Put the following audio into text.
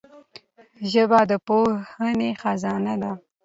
ژبه د پوهي خزانه ده.